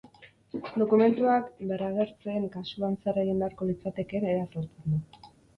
Dokumentuak berragertzeen kasuan zer egin beharko litzatekeen ere azaltzen du.